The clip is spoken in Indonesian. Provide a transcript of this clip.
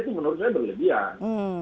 itu menurut saya berlebihan